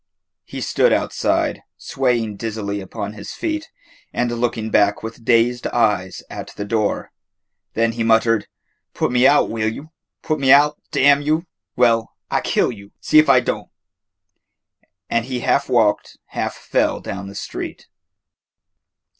He stood outside, swaying dizzily upon his feet and looking back with dazed eyes at the door, then he muttered: "Pu' me out, wi' you? Pu' me out, damn you! Well, I ki' you. See 'f I don't;" and he half walked, half fell down the street.